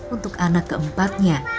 untuk anak keempatnya